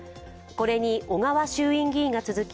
これに小川衆院議員が続き